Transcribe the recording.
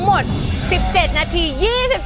ขอบคุณมากค่ะ